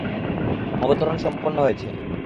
অবতরণ সম্পন্ন হয়েছে।